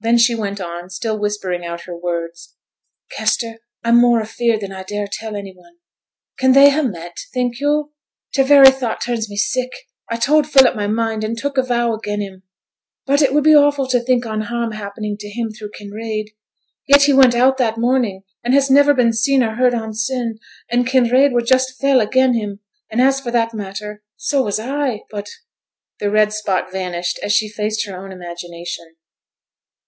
Then she went on, still whispering out her words. 'Kester, I'm more afeared than I dare tell any one: can they ha' met, think yo'? T' very thought turns me sick. I told Philip my mind, and took a vow again' him but it would be awful to think on harm happening to him through Kinraid. Yet he went out that morning, and has niver been seen or heard on sin'; and Kinraid were just fell again' him, and as for that matter, so was I; but ' The red spot vanished as she faced her own imagination.